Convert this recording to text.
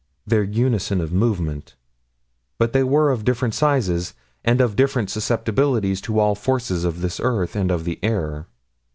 Their unison of movement. But they were of different sizes, and of different susceptibilities to all forces of this earth and of the air.